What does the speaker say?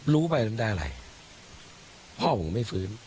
รู้ไปมันได้อะไรพ่อผมไม่ฟื้น